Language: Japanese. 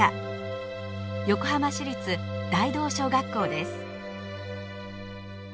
横浜市立大道小学校です。